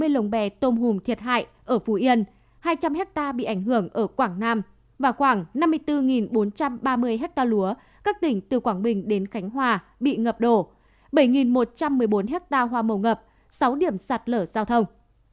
hai bốn trăm tám mươi lồng bè tôm hùm thiệt hại ở phú yên hai trăm linh ha bị ảnh hưởng ở quảng nam và khoảng năm mươi bốn bốn trăm ba mươi ha lúa các đỉnh từ quảng bình đến khánh hòa bị ngập đổ bảy một trăm một mươi bốn ha hoa màu ngập sáu điểm sạt lở giao thông